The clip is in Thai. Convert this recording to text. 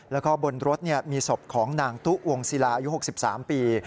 แล้วก็บนรถมีศพของนางตุ๊วงศิลาอายุ๖๓ปี